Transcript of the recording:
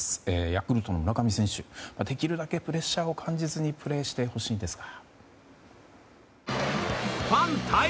ヤクルトの村上選手、できるだけプレッシャーを感じずにプレーしてほしいんですが。